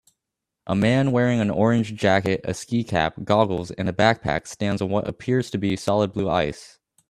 A man wearing an orange jacket a ski cap goggles and a backpack stands on what appears to be solid blue ice